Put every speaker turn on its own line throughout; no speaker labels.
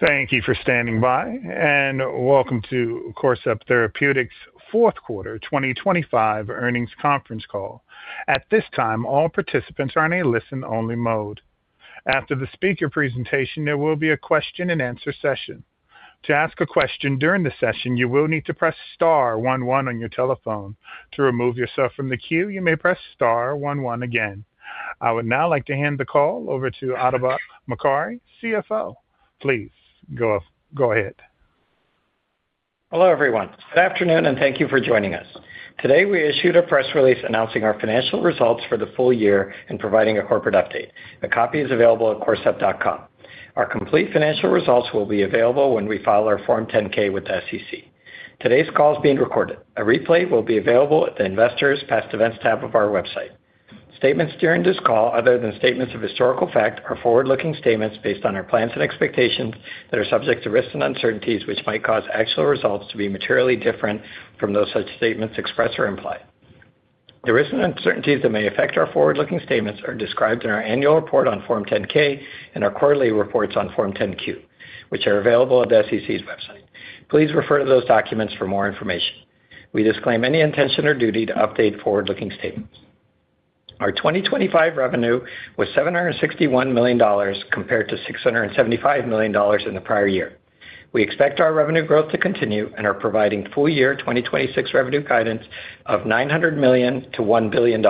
Thank you for standing by, and welcome to Corcept Therapeutics' fourth quarter 2025 earnings conference call. At this time, all participants are in a listen-only mode. After the speaker presentation, there will be a question-and-answer session. To ask a question during the session, you will need to press star one one on your telephone. To remove yourself from the queue, you may press star one one again. I would now like to hand the call over to Atabak Mokari, CFO. Please go ahead.
Hello, everyone. Good afternoon, and thank you for joining us. Today, we issued a press release announcing our financial results for the full year and providing a corporate update. A copy is available at corcept.com. Our complete financial results will be available when we file our Form 10-K with the SEC. Today's call is being recorded. A replay will be available at the Investors Past Events tab of our website. Statements during this call, other than statements of historical fact, are forward-looking statements based on our plans and expectations that are subject to risks and uncertainties, which might cause actual results to be materially different from those such statements express or imply. The risks and uncertainties that may affect our forward-looking statements are described in our annual report on Form 10-K and our quarterly reports on Form 10-Q, which are available at the SEC's website. Please refer to those documents for more information. We disclaim any intention or duty to update forward-looking statements. Our 2025 revenue was $761 million compared to $675 million in the prior year. We expect our revenue growth to continue and are providing full year 2026 revenue guidance of $900 million-$1 billion.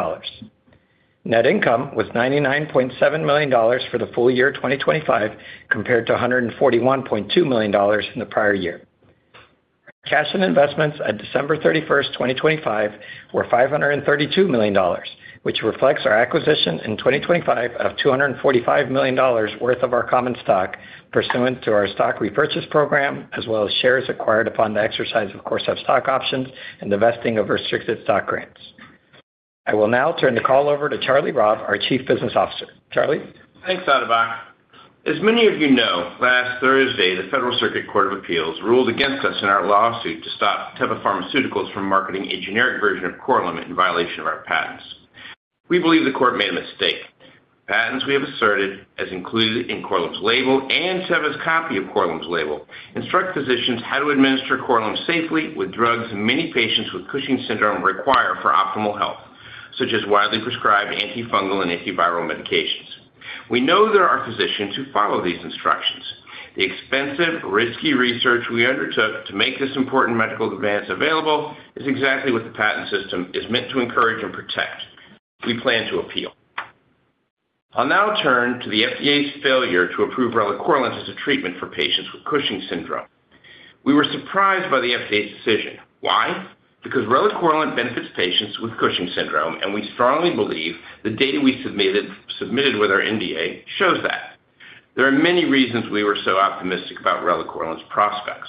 Net income was $99.7 million for the full year 2025, compared to $141.2 million in the prior year. Cash and investments at December 31st, 2025, were $532 million, which reflects our acquisition in 2025 of $245 million worth of our common stock, pursuant to our stock repurchase program, as well as shares acquired upon the exercise of Corcept stock options and the vesting of restricted stock grants. I will now turn the call over to Charlie Robb, our Chief Business Officer. Charlie?
Thanks, Atabak. As many of you know, last Thursday, the Federal Circuit Court of Appeals ruled against us in our lawsuit to stop Teva Pharmaceuticals from marketing a generic version of Korlym in violation of our patents. We believe the court made a mistake. Patents we have asserted, as included in Korlym's label and Teva's copy of Korlym's label, instruct physicians how to administer Korlym safely with drugs many patients with Cushing's syndrome require for optimal health, such as widely prescribed antifungal and antiviral medications. We know there are physicians who follow these instructions. The expensive, risky research we undertook to make this important medical advance available is exactly what the patent system is meant to encourage and protect. We plan to appeal. I'll now turn to the FDA's failure to approve relacorilant as a treatment for patients with Cushing's syndrome. We were surprised by the FDA's decision. Why? Because relacorilant benefits patients with Cushing's syndrome, and we strongly believe the data we submitted with our NDA shows that. There are many reasons we were so optimistic about relacorilant's prospects.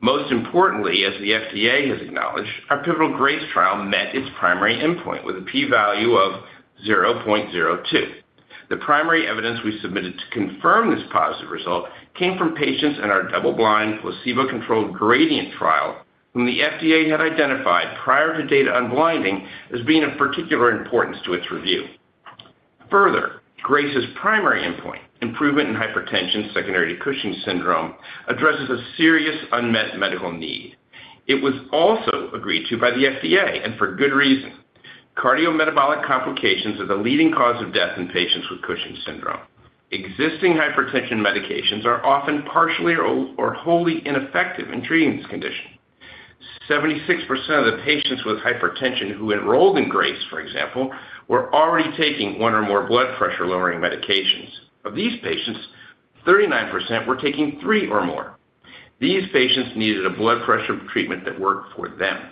Most importantly, as the FDA has acknowledged, our pivotal GRACE trial met its primary endpoint with a p-value of 0.02. The primary evidence we submitted to confirm this positive result came from patients in our double-blind, placebo-controlled GRADIENT trial, whom the FDA had identified prior to data unblinding as being of particular importance to its review. Further, GRACE's primary endpoint, improvement in hypertension secondary to Cushing's syndrome, addresses a serious unmet medical need. It was also agreed to by the FDA, and for good reason. Cardiometabolic complications are the leading cause of death in patients with Cushing's syndrome. Existing hypertension medications are often partially or wholly ineffective in treating this condition. 76% of the patients with hypertension who enrolled in GRACE, for example, were already taking one or more blood pressure-lowering medications. Of these patients, 39% were taking three or more. These patients needed a blood pressure treatment that worked for them.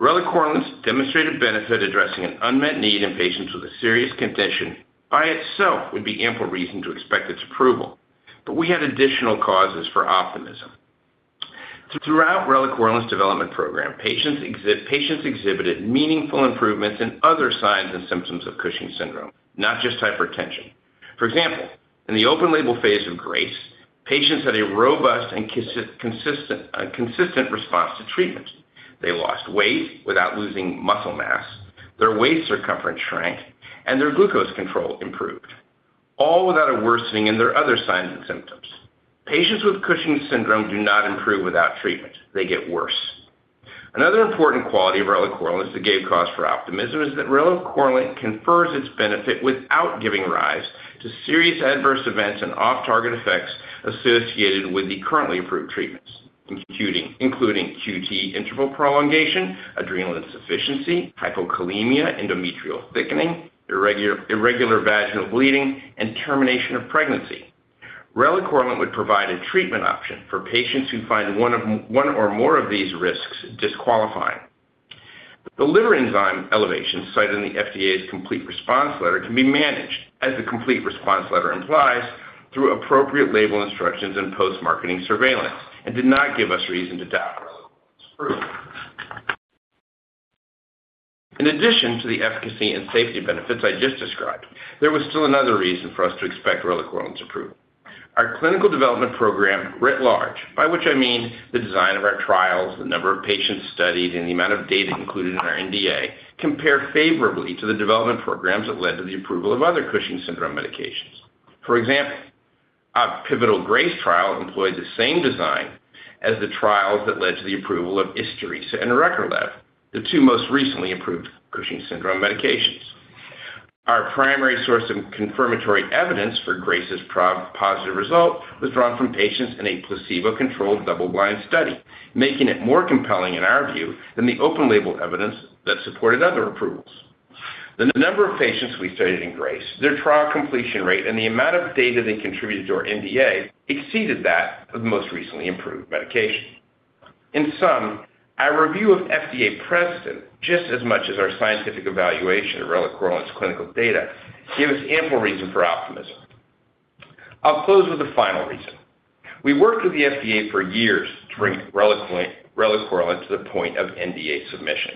relacorilant's demonstrated benefit, addressing an unmet need in patients with a serious condition, by itself would be ample reason to expect its approval, but we had additional causes for optimism. Throughout relacorilant's development program, patients exhibited meaningful improvements in other signs and symptoms of Cushing's syndrome, not just hypertension. For example, in the open label phase of GRACE, patients had a robust and consistent response to treatment. They lost weight without losing muscle mass, their waist circumference shrank, and their glucose control improved, all without a worsening in their other signs and symptoms. Patients with Cushing's syndrome do not improve without treatment. They get worse. Another important quality of relacorilant that gave cause for optimism is that relacorilant confers its benefit without giving rise to serious adverse events and off-target effects associated with the currently approved treatments, including QT interval prolongation, adrenal insufficiency, hypokalemia, endometrial thickening, irregular vaginal bleeding, and termination of pregnancy. relacorilant would provide a treatment option for patients who find one or more of these risks disqualifying. The liver enzyme elevations cited in the FDA's complete response letter can be managed, as the complete response letter implies, through appropriate label instructions and post-marketing surveillance, and did not give us reason to doubt relacorilant's approval. In addition to the efficacy and safety benefits I just described, there was still another reason for us to expect relacorilant's approval. Our clinical development program writ large, by which I mean the design of our trials, the number of patients studied, and the amount of data included in our NDA, compare favorably to the development programs that led to the approval of other Cushing's syndrome medications. For example. Our pivotal GRACE trial employed the same design as the trials that led to the approval of Isturisa and Recorlev, the two most recently approved Cushing's syndrome medications. Our primary source of confirmatory evidence for GRACE's positive result was drawn from patients in a placebo-controlled, double-blind study, making it more compelling, in our view, than the open-label evidence that supported other approvals. The number of patients we studied in GRACE, their trial completion rate, and the amount of data they contributed to our NDA exceeded that of the most recently approved medication. In sum, our review of FDA precedent, just as much as our scientific evaluation of relacorilant's clinical data, gave us ample reason for optimism. I'll close with a final reason. We worked with the FDA for years to bring relacorilant to the point of NDA submission.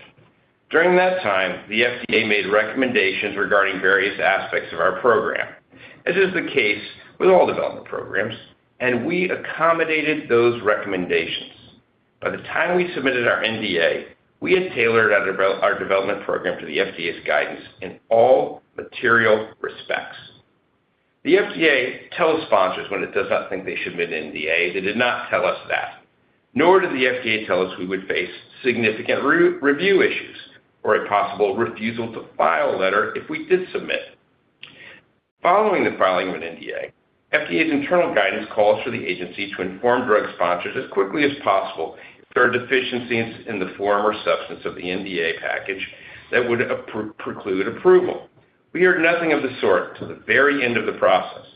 During that time, the FDA made recommendations regarding various aspects of our program, as is the case with all development programs, and we accommodated those recommendations. By the time we submitted our NDA, we had tailored our development program to the FDA's guidance in all material respects. The FDA tells sponsors when it does not think they should submit an NDA. They did not tell us that, nor did the FDA tell us we would face significant re-review issues or a possible refusal to file a letter if we did submit. Following the filing of an NDA, FDA's internal guidance calls for the agency to inform drug sponsors as quickly as possible if there are deficiencies in the form or substance of the NDA package that would preclude approval. We heard nothing of the sort till the very end of the process.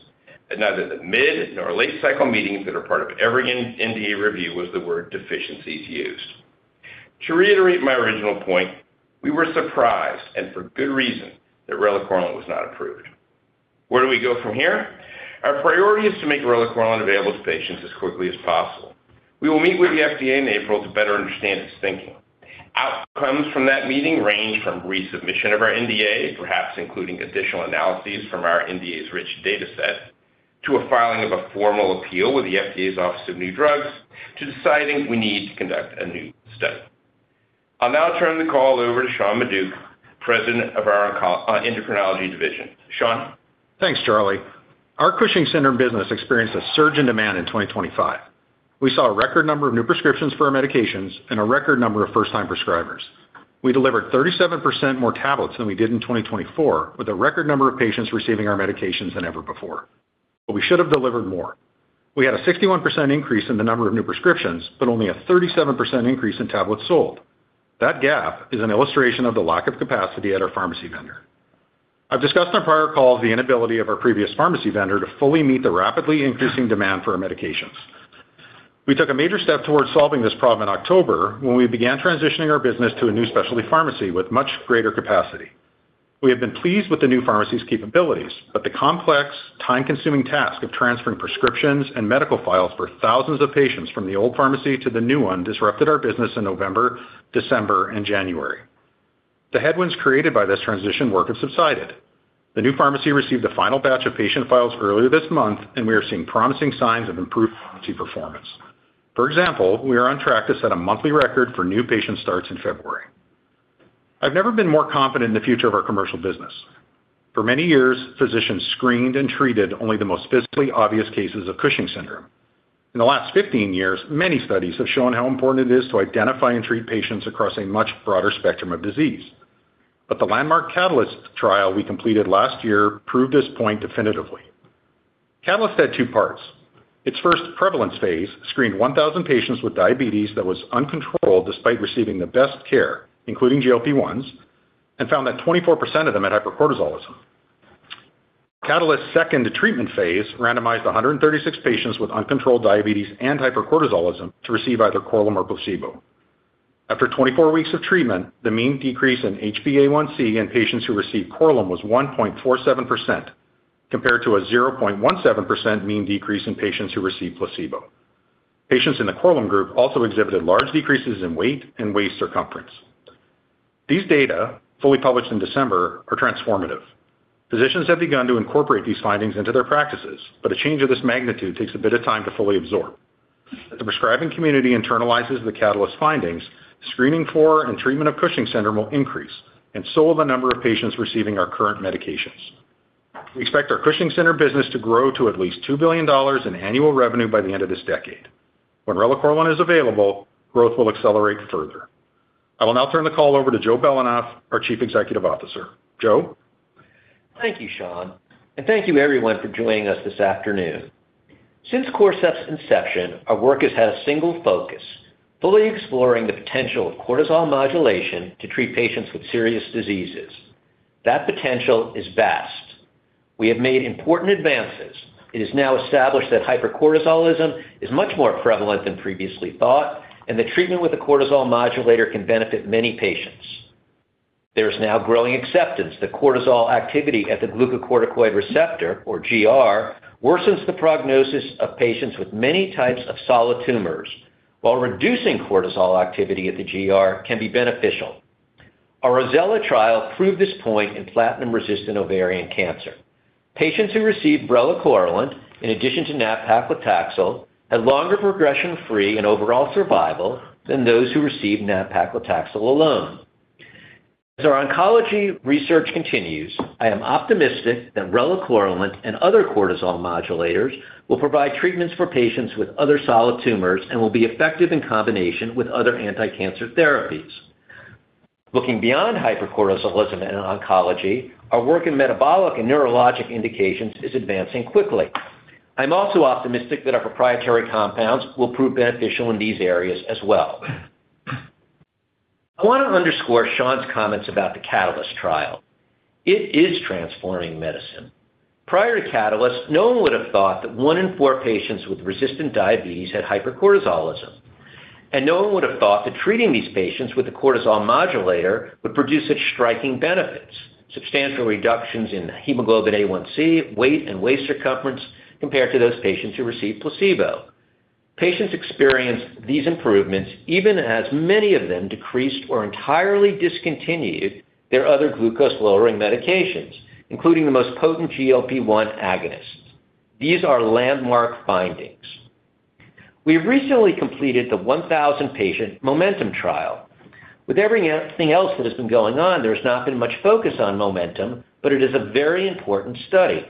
At neither the mid, nor late-cycle meetings that are part of every NDA review was the word deficiencies used. To reiterate my original point, we were surprised, and for good reason, that relacorilant was not approved. Where do we go from here? Our priority is to make relacorilant available to patients as quickly as possible. We will meet with the FDA in April to better understand its thinking. Outcomes from that meeting range from resubmission of our NDA, perhaps including additional analyses from our NDA's rich data set, to a filing of a formal appeal with the FDA's Office of New Drugs, to deciding we need to conduct a new study. I'll now turn the call over to Sean Maduck, President of our Endocrinology Division. Sean?
Thanks, Charlie. Our Cushing's syndrome business experienced a surge in demand in 2025. We saw a record number of new prescriptions for our medications and a record number of first-time prescribers. We delivered 37% more tablets than we did in 2024, with a record number of patients receiving our medications than ever before. We should have delivered more. We had a 61% increase in the number of new prescriptions, but only a 37% increase in tablets sold. That gap is an illustration of the lack of capacity at our pharmacy vendor. I've discussed on prior calls the inability of our previous pharmacy vendor to fully meet the rapidly increasing demand for our medications. We took a major step towards solving this problem in October, when we began transitioning our business to a new specialty pharmacy with much greater capacity. We have been pleased with the new pharmacy's capabilities, but the complex, time-consuming task of transferring prescriptions and medical files for thousands of patients from the old pharmacy to the new one disrupted our business in November, December, and January. The headwinds created by this transition work have subsided. The new pharmacy received a final batch of patient files earlier this month, and we are seeing promising signs of improved pharmacy performance. For example, we are on track to set a monthly record for new patient starts in February. I've never been more confident in the future of our commercial business. For many years, physicians screened and treated only the most physically obvious cases of Cushing's syndrome. In the last 15 years, many studies have shown how important it is to identify and treat patients across a much broader spectrum of disease. The landmark CATALYST trial we completed last year proved this point definitively. CATALYST had two parts. Its first prevalence phase screened 1,000 patients with diabetes that was uncontrolled despite receiving the best care, including GLP-1s, and found that 24% of them had hypercortisolism. CATALYST's second treatment phase randomized 136 patients with uncontrolled diabetes and hypercortisolism to receive either Korlym or placebo. After 24 weeks of treatment, the mean decrease in HbA1c in patients who received Korlym was 1.47%, compared to a 0.17% mean decrease in patients who received placebo. Patients in the Korlym group also exhibited large decreases in weight and waist circumference. These data, fully published in December, are transformative. Physicians have begun to incorporate these findings into their practices, but a change of this magnitude takes a bit of time to fully absorb. As the prescribing community internalizes the CATALYST findings, screening for and treatment of Cushing's syndrome will increase, and so will the number of patients receiving our current medications. We expect our Cushing's syndrome business to grow to at least $2 billion in annual revenue by the end of this decade. When relacorilant is available, growth will accelerate further. I will now turn the call over to Joe Belanoff, our Chief Executive Officer. Joe?
Thank you, Sean, and thank you, everyone, for joining us this afternoon. Since Corcept's inception, our work has had a single focus, fully exploring the potential of cortisol modulation to treat patients with serious diseases. That potential is vast. We have made important advances. It is now established that hypercortisolism is much more prevalent than previously thought, and that treatment with a cortisol modulator can benefit many patients. There is now growing acceptance that cortisol activity at the glucocorticoid receptor, or GR, worsens the prognosis of patients with many types of solid tumors, while reducing cortisol activity at the GR can be beneficial. Our ROSELLA trial proved this point in platinum-resistant ovarian cancer. Patients who received relacorilant, in addition to nab-paclitaxel, had longer progression-free and overall survival than those who received nab-paclitaxel alone. As our oncology research continues, I am optimistic that relacorilant and other cortisol modulators will provide treatments for patients with other solid tumors and will be effective in combination with other anticancer therapies. Looking beyond hypercortisolism and oncology, our work in metabolic and neurologic indications is advancing quickly. I'm also optimistic that our proprietary compounds will prove beneficial in these areas as well. I want to underscore Sean's comments about the CATALYST trial. It is transforming medicine. Prior to CATALYST, no one would have thought that one in four patients with resistant diabetes had hypercortisolism, and no one would have thought that treating these patients with a cortisol modulator would produce such striking benefits, substantial reductions in hemoglobin A1C, weight, and waist circumference compared to those patients who received placebo. Patients experienced these improvements even as many of them decreased or entirely discontinued their other glucose-lowering medications, including the most potent GLP-1 agonists. These are landmark findings. We recently completed the 1,000-patient MOMENTUM trial. With everything else that has been going on, there's not been much focus on MOMENTUM, but it is a very important study.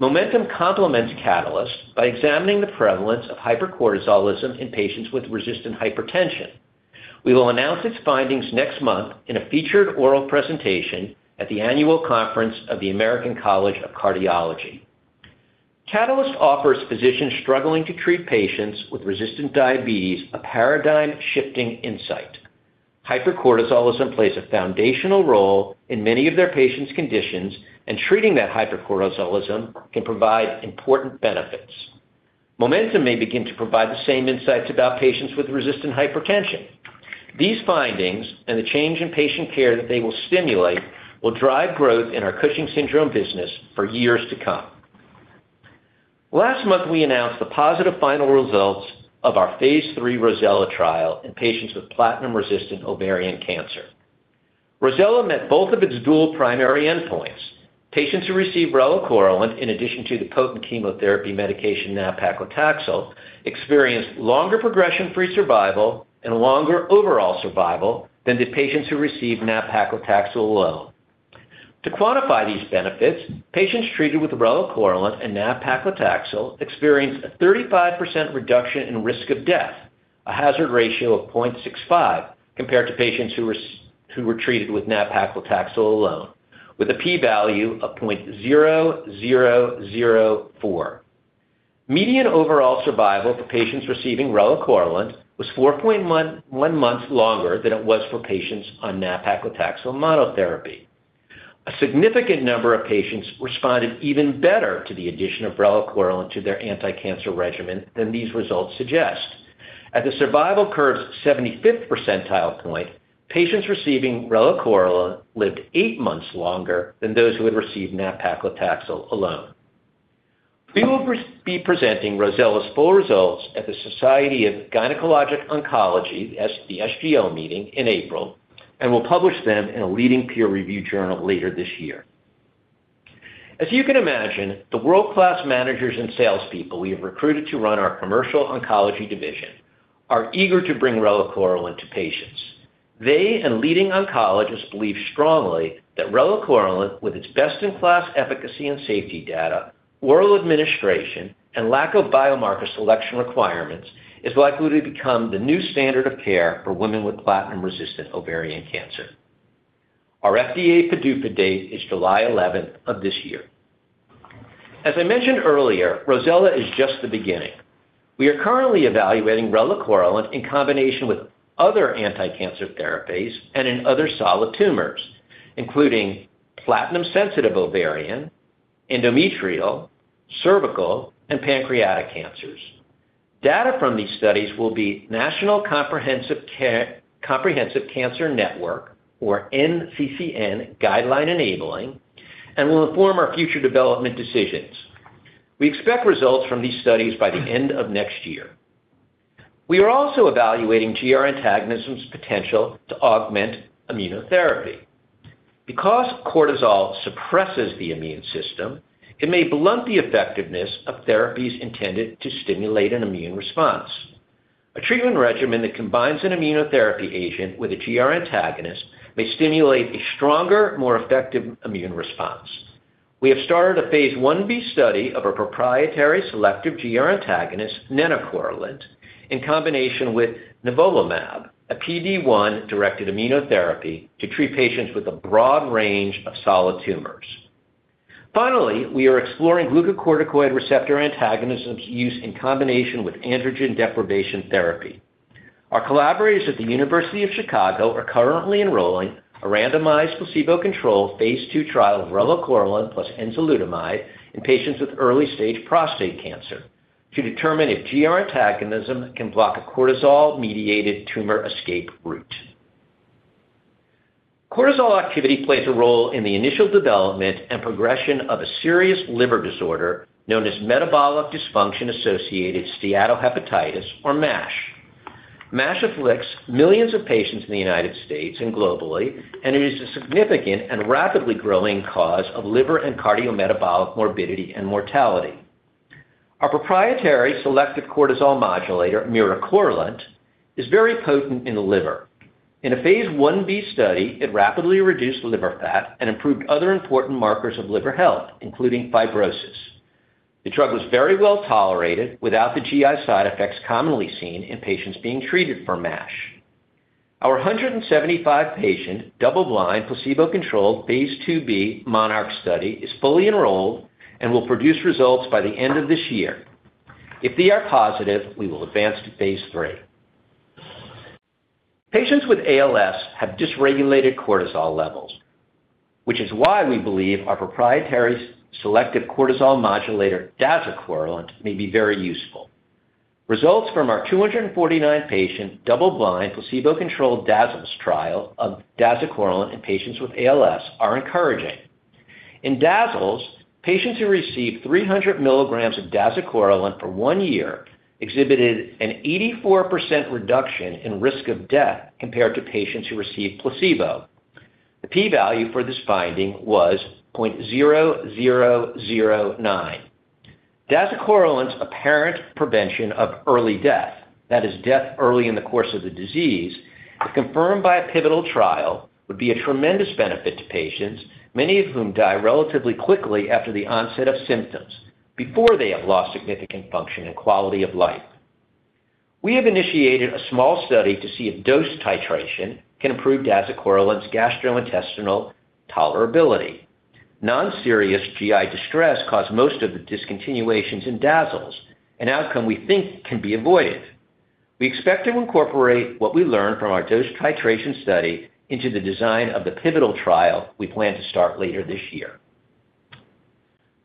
MOMENTUM complements CATALYST by examining the prevalence of hypercortisolism in patients with resistant hypertension. We will announce its findings next month in a featured oral presentation at the annual conference of the American College of Cardiology. CATALYST offers physicians struggling to treat patients with resistant diabetes, a paradigm-shifting insight. Hypercortisolism plays a foundational role in many of their patients' conditions, and treating that hypercortisolism can provide important benefits. MOMENTUM may begin to provide the same insights about patients with resistant hypertension. These findings and the change in patient care that they will stimulate will drive growth in our Cushing's syndrome business for years to come. Last month, we announced the positive final results of our phase III ROSELLA trial in patients with platinum-resistant ovarian cancer. ROSELLA met both of its dual primary endpoints. Patients who received relacorilant, in addition to the potent chemotherapy medication, nab-paclitaxel, experienced longer progression-free survival and longer overall survival than the patients who received nab-paclitaxel alone. To quantify these benefits, patients treated with relacorilant and nab-paclitaxel experienced a 35% reduction in risk of death, a hazard ratio of 0.65 compared to patients who were treated with nab-paclitaxel alone, with a p-value of 0.0004. Median overall survival for patients receiving relacorilant was 4.1 months longer than it was for patients on nab-paclitaxel monotherapy. A significant number of patients responded even better to the addition of relacorilant to their anticancer regimen than these results suggest. At the survival curve's 75th percentile point, patients receiving relacorilant lived eight months longer than those who had received nab-paclitaxel alone. We will be presenting ROSELLA's full results at the Society of Gynecologic Oncology, the SGO meeting in April, and will publish them in a leading peer-reviewed journal later this year. As you can imagine, the world-class managers and salespeople we have recruited to run our commercial Oncology Division are eager to bring relacorilant to patients. They and leading oncologists believe strongly that relacorilant, with its best-in-class efficacy and safety data, oral administration, and lack of biomarker selection requirements, is likely to become the new standard of care for women with platinum-resistant ovarian cancer. Our FDA PDUFA date is July 11th of this year. As I mentioned earlier, ROSELLA is just the beginning. We are currently evaluating relacorilant in combination with other anticancer therapies and in other solid tumors, including platinum-sensitive ovarian, endometrial, cervical, and pancreatic cancers. Data from these studies will be National Comprehensive Cancer Network, or NCCN, guideline-enabling and will inform our future development decisions. We expect results from these studies by the end of next year. We are also evaluating GR antagonism's potential to augment immunotherapy. Because cortisol suppresses the immune system, it may blunt the effectiveness of therapies intended to stimulate an immune response. A treatment regimen that combines an immunotherapy agent with a GR antagonist may stimulate a stronger, more effective immune response. We have started a phase 1b study of a proprietary selective GR antagonist, nenocorilant, in combination with nivolumab, a PD-1-directed immunotherapy, to treat patients with a broad range of solid tumors. Finally, we are exploring glucocorticoid receptor antagonism's use in combination with androgen deprivation therapy. Our collaborators at the University of Chicago are currently enrolling a randomized, placebo-controlled, phase II trial of relacorilant plus enzalutamide in patients with early-stage prostate cancer to determine if GR antagonism can block a cortisol-mediated tumor escape route. Cortisol activity plays a role in the initial development and progression of a serious liver disorder known as metabolic dysfunction-associated steatohepatitis or MASH. MASH afflicts millions of patients in the United States and globally, it is a significant and rapidly growing cause of liver and cardiometabolic morbidity and mortality. Our proprietary selective cortisol modulator, miricorilant, is very potent in the liver. In a Phase I-B study, it rapidly reduced liver fat and improved other important markers of liver health, including fibrosis. The drug was very well tolerated without the GI side effects commonly seen in patients being treated for MASH. Our 175 patient, double-blind, placebo-controlled phase II-B MONARCH study is fully enrolled and will produce results by the end of this year. If they are positive, we will advance to Phase III. Patients with ALS have dysregulated cortisol levels, which is why we believe our proprietary selective cortisol modulator, dazucorilant, may be very useful. Results from our 249 patient, double-blind, placebo-controlled DASLES trial of dazucorilant in patients with ALS are encouraging. In DASLES, patients who received 300 milligrams of dazucorilant for one year exhibited an 84% reduction in risk of death compared to patients who received placebo. The P value for this finding was 0.0009. Dazucorilant's apparent prevention of early death, that is, death early in the course of the disease, if confirmed by a pivotal trial, would be a tremendous benefit to patients, many of whom die relatively quickly after the onset of symptoms, before they have lost significant function and quality of life. We have initiated a small study to see if dose titration can improve dazucorilant's gastrointestinal tolerability. Non-serious GI distress caused most of the discontinuations in DASLES, an outcome we think can be avoided. We expect to incorporate what we learn from our dose titration study into the design of the pivotal trial we plan to start later this year.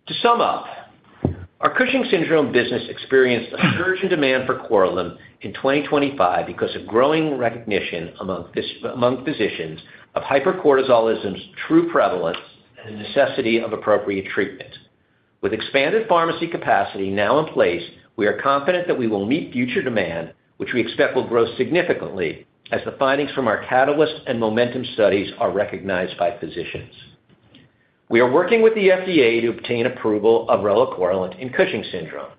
To sum up, our Cushing's syndrome business experienced a surge in demand for Korlym in 2025 because of growing recognition among physicians of hypercortisolism's true prevalence and the necessity of appropriate treatment. With expanded pharmacy capacity now in place, we are confident that we will meet future demand, which we expect will grow significantly as the findings from our CATALYST and MOMENTUM studies are recognized by physicians. We are working with the FDA to obtain approval of relacorilant in Cushing's syndrome.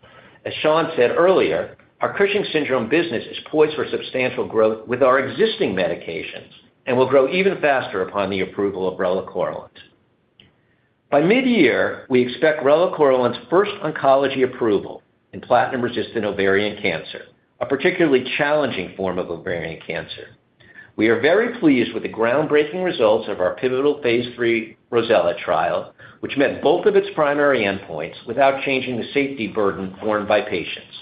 As Sean said earlier, our Cushing's syndrome business is poised for substantial growth with our existing medications and will grow even faster upon the approval of relacorilant. By mid-year, we expect relacorilant's first oncology approval in platinum-resistant ovarian cancer, a particularly challenging form of ovarian cancer. We are very pleased with the groundbreaking results of our pivotal phase III ROSELLA trial, which met both of its primary endpoints without changing the safety burden borne by patients.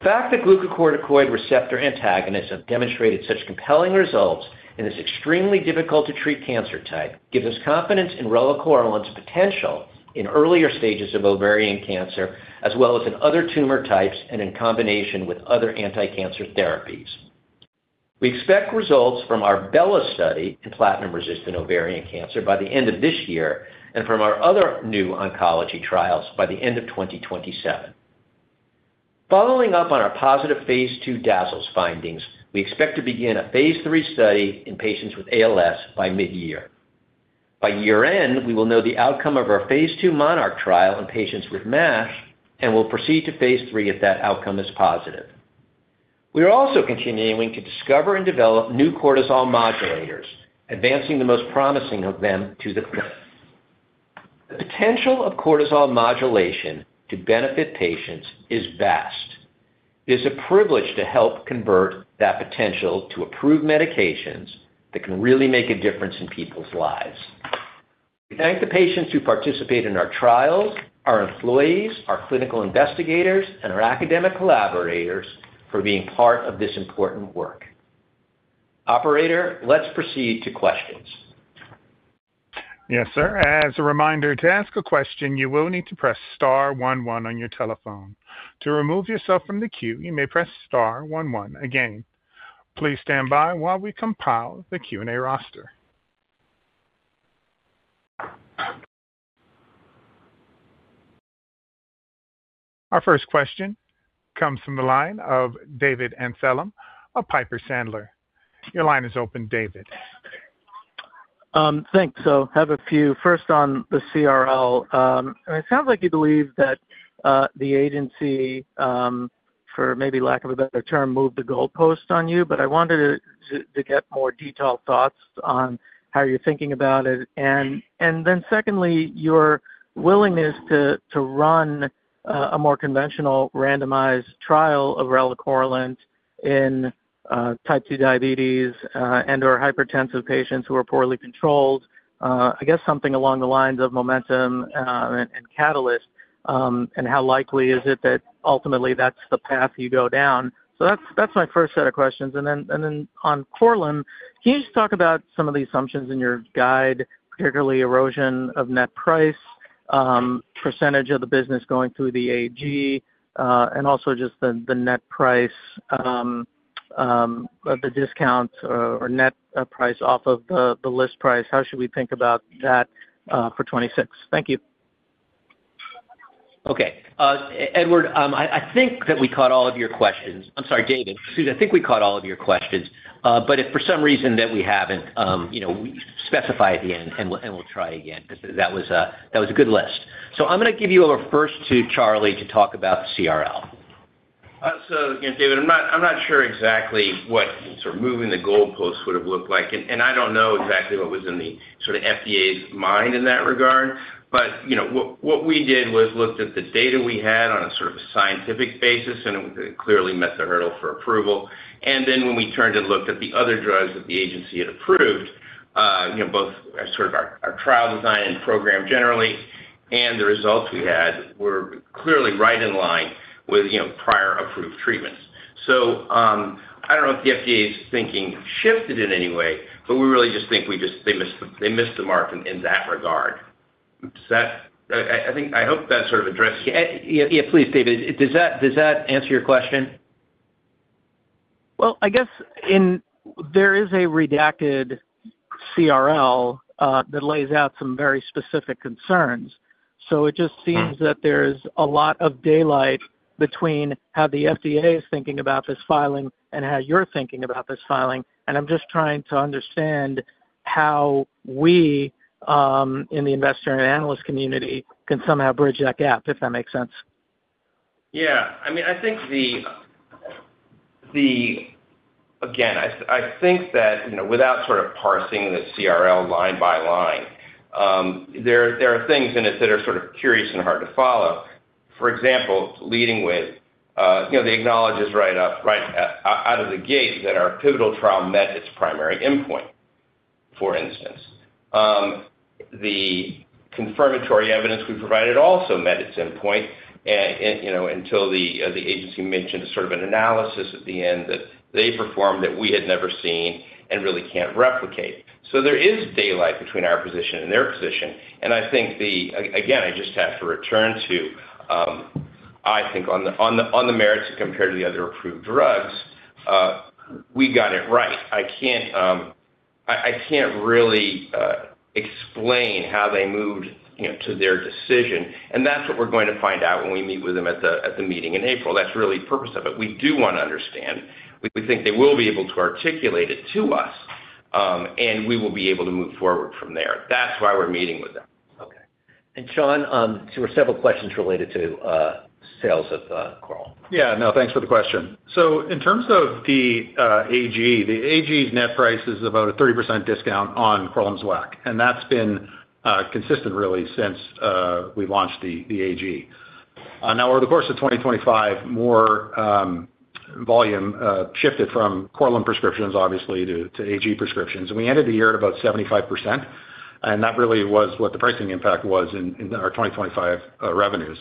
The fact that glucocorticoid receptor antagonists have demonstrated such compelling results in this extremely difficult-to-treat cancer type gives us confidence in relacorilant's potential in earlier stages of ovarian cancer, as well as in other tumor types and in combination with other anticancer therapies. We expect results from our BELLA study in platinum-resistant ovarian cancer by the end of this year and from our other new oncology trials by the end of 2027. Following up on our positive phase II DASLES findings, we expect to begin a phase III study in patients with ALS by mid-year. By year-end, we will know the outcome of our phase II MONARCH trial in patients with MASH and will proceed to phase III if that outcome is positive. We are also continuing to discover and develop new cortisol modulators, advancing the most promising of them to the. The potential of cortisol modulation to benefit patients is vast. It is a privilege to help convert that potential to approved medications that can really make a difference in people's lives. We thank the patients who participate in our trials, our employees, our clinical investigators, and our academic collaborators for being part of this important work. Operator, let's proceed to questions.
Yes, sir. As a reminder, to ask a question, you will need to press star one one on your telephone. To remove yourself from the queue, you may press star one one again. Please stand by while we compile the Q&A roster. Our first question comes from the line of David Amsellem of Piper Sandler. Your line is open, David.
Thanks. I have a few. First, on the CRL, it sounds like you believe that the agency, for maybe lack of a better term, moved the goalpost on you, but I wanted to get more detailed thoughts on how you're thinking about it. Secondly, your willingness to run a more conventional randomized trial of relacorilant in type 2 diabetes and/or hypertensive patients who are poorly controlled, I guess something along the lines of MOMENTUM and CATALYST, and how likely is it that ultimately that's the path you go down? That's my first set of questions. On Korlym, can you just talk about some of the assumptions in your guide, particularly erosion of net price, percentage of the business going through the AG, and also just the net price, the discounts or net, price off of the list price? How should we think about that, for 2026? Thank you.
Okay. Edward, I think that we caught all of your questions. I'm sorry, David, excuse me. I think we caught all of your questions, but if for some reason that we haven't, you know, specify at the end, and we'll try again, 'cause that was a good list. I'm gonna give you over first to Charlie to talk about the CRL.
Again, David, I'm not sure exactly what sort of moving the goalposts would have looked like, and I don't know exactly what was in the sort of FDA's mind in that regard. You know, what we did was looked at the data we had on a sort of scientific basis, and it clearly met the hurdle for approval. Then when we turned to look at the other drugs that the agency had approved, you know, both as sort of our trial design and program generally, and the results we had were clearly right in line with, you know, prior approved treatments. I don't know if the FDA's thinking shifted in any way, but we really just think they missed the mark in that regard. I hope that sort of addressed...
Yeah. Yeah, please, David, does that, does that answer your question?
Well, I guess there is a redacted CRL, that lays out some very specific concerns. It just seems that there's a lot of daylight between how the FDA is thinking about this filing and how you're thinking about this filing. I'm just trying to understand how we, in the investor and analyst community, can somehow bridge that gap, if that makes sense.
Again, I think that, you know, without sort of parsing the CRL line by line, there are things in it that are sort of curious and hard to follow. For example, leading with, you know, they acknowledges right up, right out of the gate that our pivotal trial met its primary endpoint, for instance. The confirmatory evidence we provided also met its endpoint, and, you know, until the agency mentioned sort of an analysis at the end that they performed, that we had never seen and really can't replicate. There is daylight between our position and their position, and again, I just have to return to, I think on the merits, compared to the other approved drugs, we got it right. I can't really explain how they moved, you know, to their decision. That's what we're going to find out when we meet with them at the meeting in April. That's really the purpose of it. We do want to understand. We think they will be able to articulate it to us. We will be able to move forward from there. That's why we're meeting with them.
Okay. Sean, there were several questions related to sales of Korlym.
Yeah, thanks for the question. In terms of the AG, the AG's net price is about a 30% discount on Korlym's WAC, and that's been consistent really since we launched the AG. Now over the course of 2025, more volume shifted from Korlym prescriptions obviously to AG prescriptions, and we ended the year at about 75%, and that really was what the pricing impact was in our 2025 revenues.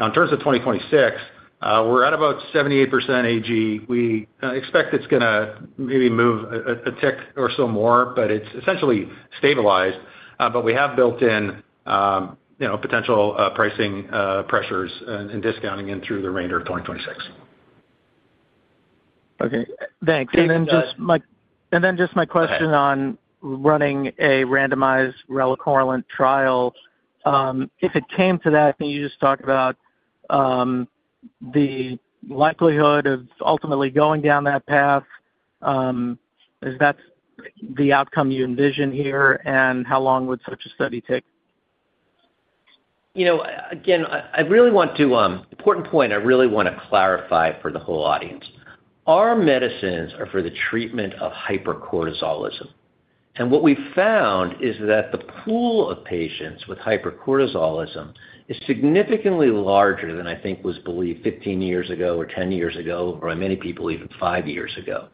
Now, in terms of 2026, we're at about 78% AG. We expect it's gonna maybe move a tick or so more, but it's essentially stabilized. But we have built in, you know, potential pricing pressures and discounting in through the remainder of 2026.
Okay, thanks. Just my question on running a randomized relacorilant trial. If it came to that, can you just talk about the likelihood of ultimately going down that path? Is that the outcome you envision here, and how long would such a study take?
You know, again, I really want to, Important point I really want to clarify for the whole audience. Our medicines are for the treatment of hypercortisolism, and what we found is that the pool of patients with hypercortisolism is significantly larger than I think was believed 15 years ago or 10 years ago, or by many people, even five years ago.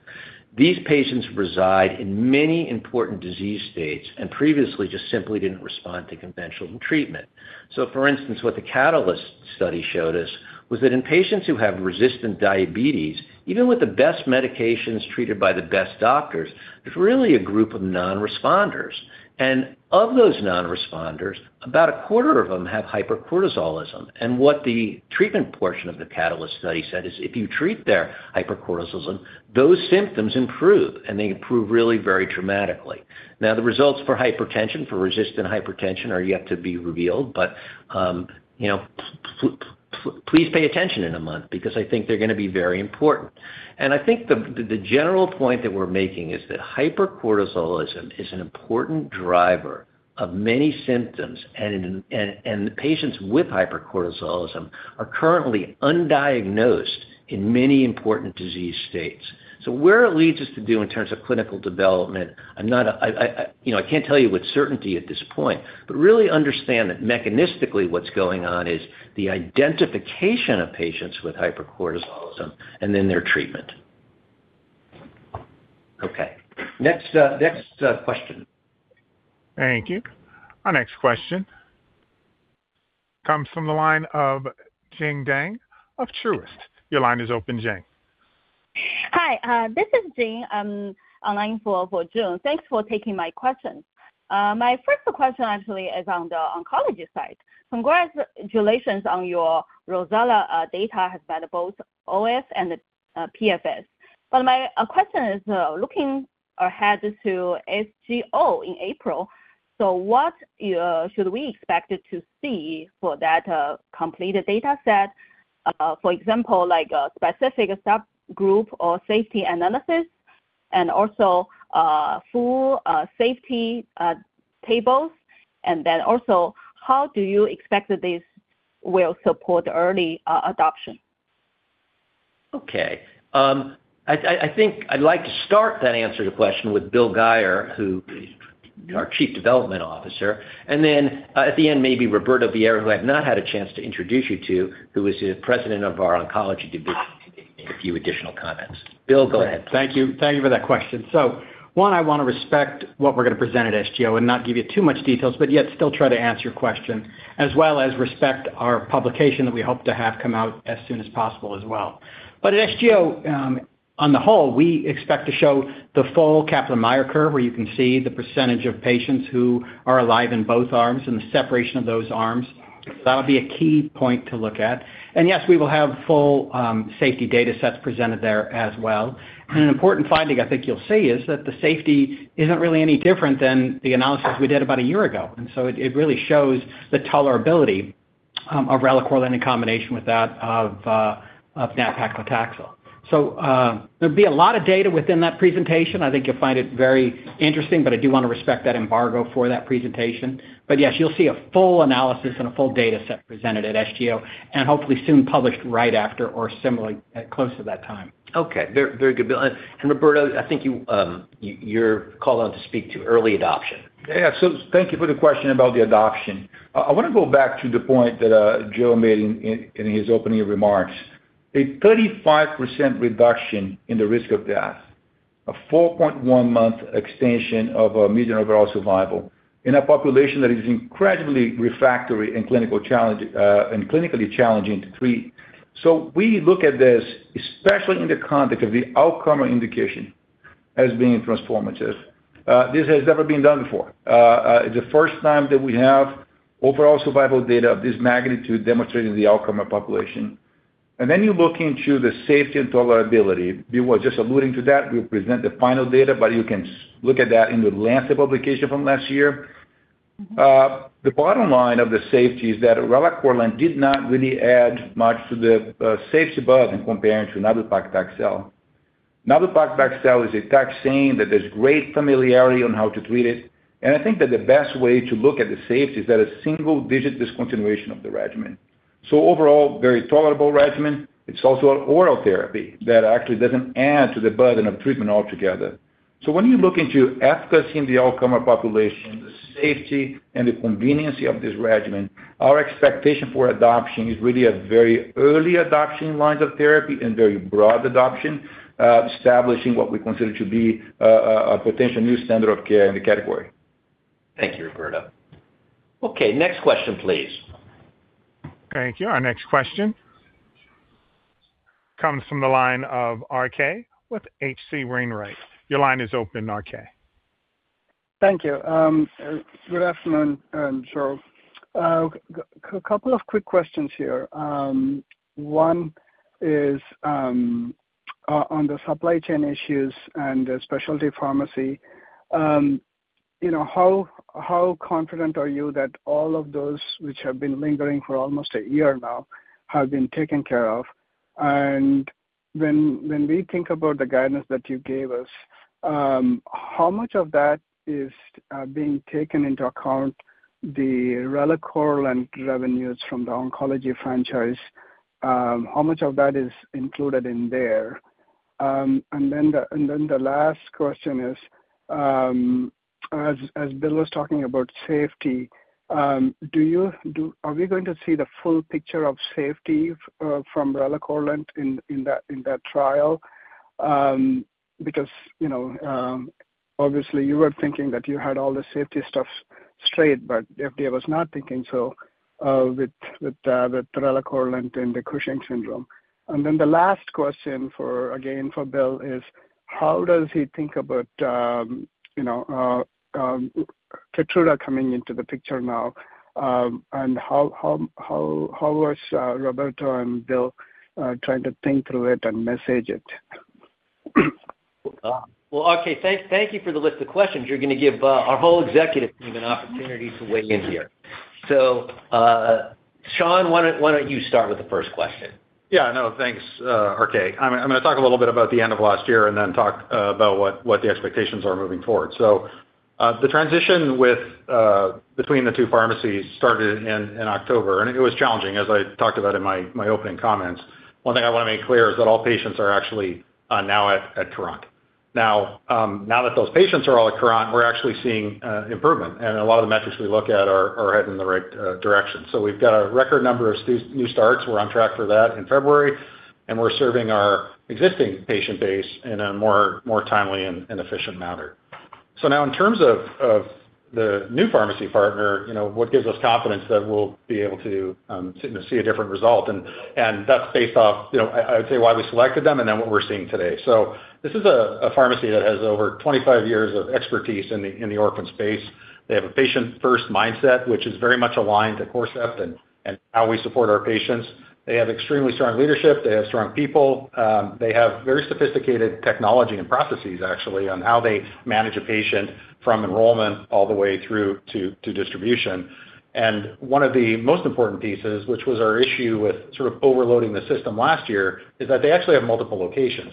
These patients reside in many important disease states and previously just simply didn't respond to conventional treatment. For instance, what the CATALYST study showed us was that in patients who have resistant diabetes, even with the best medications treated by the best doctors, there's really a group of non-responders. And of those non-responders, about a quarter of them have hypercortisolism. And what the treatment portion of the CATALYST study said is, if you treat their hypercortisolism, those symptoms improve, and they improve really very dramatically. The results for hypertension, for resistant hypertension, are yet to be revealed, but, you know, please pay attention in a month because I think they're gonna be very important. I think the general point that we're making is that hypercortisolism is an important driver of many symptoms, and the patients with hypercortisolism are currently undiagnosed in many important disease states. Where it leads us to do in terms of clinical development, I'm not, you know, I can't tell you with certainty at this point, but really understand that mechanistically what's going on is the identification of patients with hypercortisolism and then their treatment. Okay, next, question.
Thank you. Our next question comes from the line of Joon Lee of Truist. Your line is open, Joon.
Hi, this is Jing. I'm online for Joon. Thanks for taking my question. My first question actually is on the oncology side. Congratulations on your ROSELLA data by both OS and PFS. My question is, looking ahead to SGO in April, what should we expect to see for that completed data set? For example, like a specific subgroup or safety analysis? And also, full, safety, tables? Also, how do you expect that this will support early, adoption?
Okay. I think I'd like to start that answer to the question with Bill Guyer, who is our Chief Development Officer. At the end, maybe Roberto Vieira, who I've not had a chance to introduce you to, who is the President of our Oncology Division, make a few additional comments. Bill, go ahead.
Thank you. Thank you for that question. One, I wanna respect what we're gonna present at SGO and not give you too much details, but yet still try to answer your question, as well as respect our publication that we hope to have come out as soon as possible as well. At SGO, on the whole, we expect to show the full Kaplan-Meier curve, where you can see the percentage of patients who are alive in both arms and the separation of those arms. That'll be a key point to look at. Yes, we will have full safety data sets presented there as well. An important finding I think you'll see is that the safety isn't really any different than the analysis we did about a year ago. It really shows the tolerability of relacorilant in combination with that of nab-paclitaxel. There'd be a lot of data within that presentation. I think you'll find it very interesting, but I do wanna respect that embargo for that presentation. Yes, you'll see a full analysis and a full data set presented at SGO, and hopefully soon published right after or similarly close to that time.
Okay. Very, very good, Bill. Roberto, I think you're called on to speak to early adoption.
Thank you for the question about the adoption. I want to go back to the point that Joe made in his opening remarks. A 35% reduction in the risk of death, a 4.1-month extension of median overall survival in a population that is incredibly refractory and clinical challenge and clinically challenging to treat. We look at this, especially in the context of the outcome indication, as being transformative. This has never been done before. The first time that we have overall survival data of this magnitude demonstrating the outcome of population. You look into the safety and tolerability. Bill was just alluding to that. We'll present the final data, but you can look at that in The Lancet publication from last year. The bottom line of the safety is that relacorilant did not really add much to the safety burden compared to nab-paclitaxel. Nab-paclitaxel is a taxane, that there's great familiarity on how to treat it. I think that the best way to look at the safety is that a single digit discontinuation of the regimen. Overall, very tolerable regimen. It's also an oral therapy that actually doesn't add to the burden of treatment altogether. When you look into efficacy in the outcome of population, the safety and the conveniency of this regimen, our expectation for adoption is really a very early adoption lines of therapy and very broad adoption, establishing what we consider to be a potential new standard of care in the category.
Thank you, Roberto. Okay, next question, please.
Thank you. Our next question comes from the line of RK with H.C. Wainwright & Co. Your line is open, RK.
Thank you. Good afternoon, Joe. A couple of quick questions here. One is on the supply chain issues and the specialty pharmacy. You know, how confident are you that all of those, which have been lingering for almost a year now, have been taken care of? When we think about the guidance that you gave us, how much of that is being taken into account, the relacorilant revenues from the oncology franchise, how much of that is included in there? The last question is, as Bill was talking about safety, are we going to see the full picture of safety from relacorilant in that trial? Because, you know, obviously you were thinking that you had all the safety stuff straight, but the FDA was not thinking so, with the relacorilant and the Cushing's syndrome. The last question for, again, for Bill is: How does he think about, you know, KEYTRUDA coming into the picture now? How was Roberto and Bill trying to think through it and message it?
Well, okay, thank you for the list of questions. You're gonna give our whole executive team an opportunity to weigh in here. Sean, why don't you start with the first question?
Yeah, no, thanks, RK. I'm gonna talk a little bit about the end of last year and then talk about what the expectations are moving forward. The transition with between the two pharmacies started in October, and it was challenging, as I talked about in my opening comments. One thing I wanna make clear is that all patients are actually now at CURAD. Now that those patients are all at CURAD, we're actually seeing improvement, and a lot of the metrics we look at are heading in the right direction. We've got a record number of new starts. We're on track for that in February, and we're serving our existing patient base in a more timely and efficient manner. Now in terms of the new pharmacy partner, you know, what gives us confidence that we'll be able to see a different result, and that's based off, you know, I'd say, why we selected them and then what we're seeing today. This is a pharmacy that has over 25 years of expertise in the orphan space. They have a patient first mindset, which is very much aligned to Corcept and how we support our patients. They have extremely strong leadership. They have strong people. They have very sophisticated technology and processes, actually, on how they manage a patient from enrollment all the way through to distribution. One of the most important pieces, which was our issue with sort of overloading the system last year, is that they actually have multiple locations....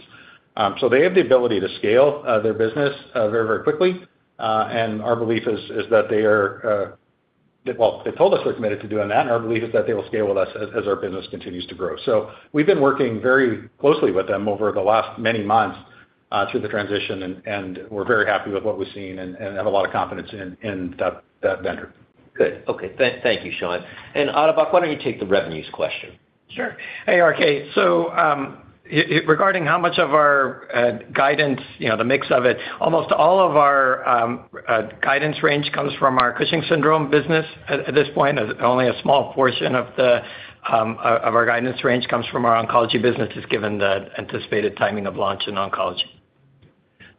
They have the ability to scale their business very, very quickly. Our belief is that they are, well, they told us they're committed to doing that, and our belief is that they will scale with us as our business continues to grow. We've been working very closely with them over the last many months, through the transition, and we're very happy with what we've seen and have a lot of confidence in that vendor.
Good. Okay. Thank you, Sean. Atabak, why don't you take the revenues question?
Sure. Hey, RK. Regarding how much of our guidance, you know, the mix of it, almost all of our guidance range comes from our Cushing's syndrome business. At this point, only a small portion of the of our guidance range comes from our oncology business, just given the anticipated timing of launch in oncology.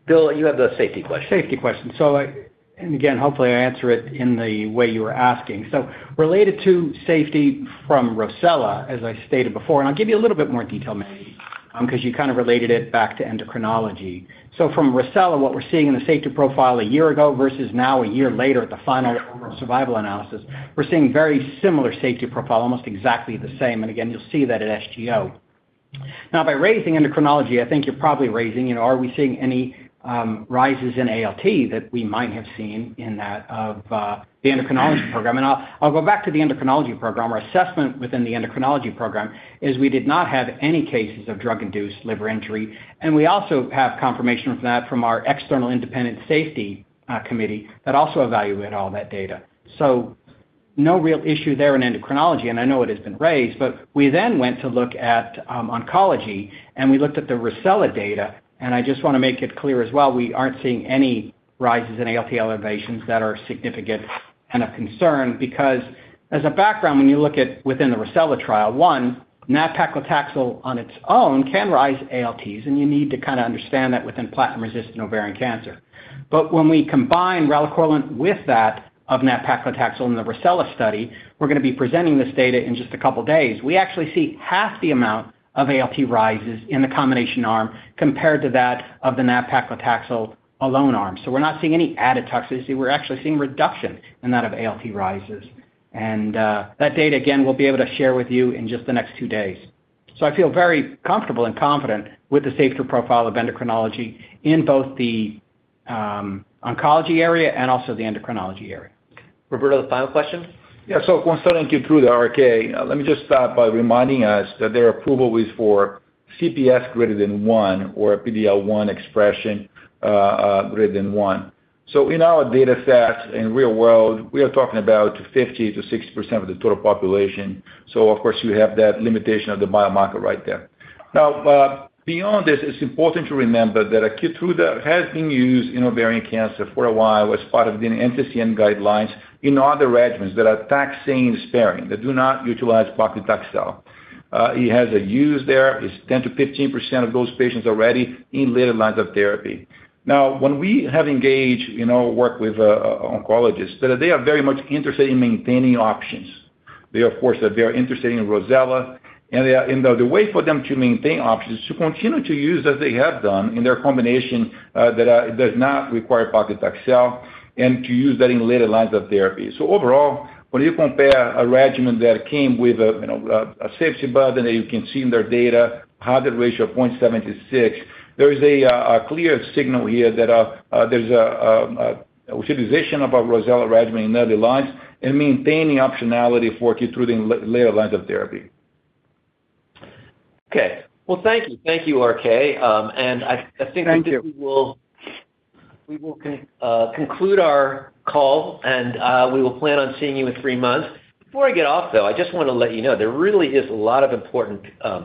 Bill, you have the safety question.
Safety question. I... Again, hopefully, I answer it in the way you are asking. Related to safety from ROSELLA, as I stated before, and I'll give you a little bit more detail maybe, 'cause you kind of related it back to Corcept Endocrinology. From ROSELLA, what we're seeing in the safety profile a year ago versus now a year later at the final survival analysis, we're seeing very similar safety profile, almost exactly the same. Again, you'll see that at SGO. By raising Corcept Endocrinology, I think you're probably raising, you know, are we seeing any, rises in ALT that we might have seen in that of the Corcept Endocrinology program? I'll go back to the Corcept Endocrinology program. Our assessment within the endocrinology program is we did not have any cases of drug-induced liver injury, and we also have confirmation of that from our external independent safety committee, that also evaluated all that data. No real issue there in endocrinology, and I know it has been raised, but we then went to look at oncology, and we looked at the ROSELLA data. I just wanna make it clear as well, we aren't seeing any rises in ALT elevations that are significant and of concern. As a background, when you look at within the ROSELLA trial, one, nab-paclitaxel on its own can rise ALTs, and you need to kind of understand that within platinum-resistant ovarian cancer. When we combine relacorilant with that of nab-paclitaxel in the ROSELLA study, we're gonna be presenting this data in just a couple of days. We actually see half the amount of ALT rises in the combination arm compared to that of the nab-paclitaxel alone arm. We're not seeing any added toxicity. We're actually seeing reduction in that of ALT rises. That data, again, we'll be able to share with you in just the next two days. I feel very comfortable and confident with the safety profile of Endocrinology in both the Oncology area and also the Endocrinology area.
Roberto, the final question?
Concerning KEYTRUDA, RK, let me just start by reminding us that their approval was for CPS greater than 1 or PDL1 expression greater than 1. In our dataset, in real world, we are talking about 50%-60% of the total population, of course, you have that limitation of the biomarker right there. Beyond this, it's important to remember that KEYTRUDA has been used in ovarian cancer for a while as part of the NCCN guidelines in other regimens that are taxane-sparing, that do not utilize paclitaxel. It has a use there. It's 10%-15% of those patients already in later lines of therapy. When we have engaged in our work with oncologists, that they are very much interested in maintaining options. They, of course, are very interested in ROSELLA, and the way for them to maintain options is to continue to use, as they have done in their combination, that does not require paclitaxel, and to use that in later lines of therapy. overall, when you compare a regimen that came with a, you know, a safety button, and you can see in their data, hazard ratio of 0.76, there is a clear signal here that there's a utilization of a ROSELLA regimen in early lines and maintaining optionality for KEYTRUDA in later lines of therapy.
Okay. Well, thank you. Thank you, RK.
Thank you.
We will conclude our call, and we will plan on seeing you in three months. Before I get off, though, I just want to let you know there really is a lot of important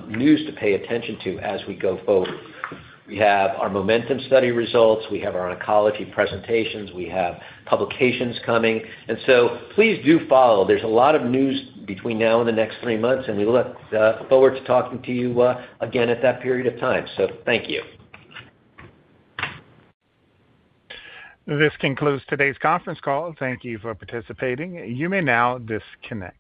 news to pay attention to as we go forward. We have our MOMENTUM study results, we have our Oncology presentations, we have publications coming. Please do follow. There's a lot of news between now and the next three months. We look forward to talking to you again at that period of time. Thank you.
This concludes today's conference call. Thank you for participating. You may now disconnect.